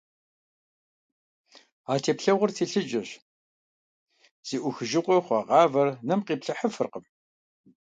А теплъэгъуэр телъыджэщ - зи Ӏухыжыгъуэ хъуа гъавэр нэм къиплъыхьыфыркъым.